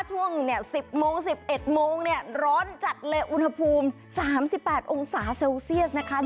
ช่วงเนี่ยสิบโมงสิบเอ็ดโมงเนี่ยร้อนจัดเลยอุณหภูมิสามสิบแปดองศาเซลเซียสนะคะ